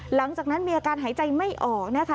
หลังจากนั้นมีอาการหายใจไม่ออกนะคะ